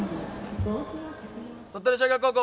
鳥取商業高校